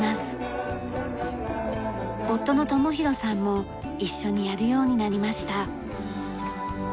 夫の友裕さんも一緒にやるようになりました。